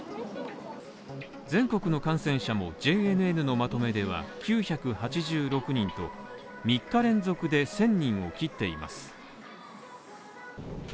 全国の感染者もＪＮＮのまとめでは９８６人と、３日連続で１０００人を切っています。